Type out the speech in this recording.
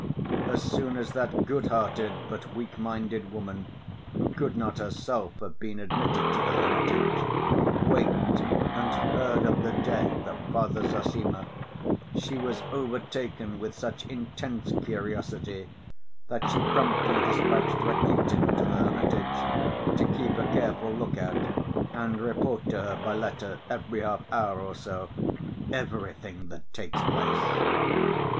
As soon as that good‐hearted but weak‐minded woman, who could not herself have been admitted to the hermitage, waked and heard of the death of Father Zossima, she was overtaken with such intense curiosity that she promptly dispatched Rakitin to the hermitage, to keep a careful look out and report to her by letter every half‐hour or so "everything that takes place."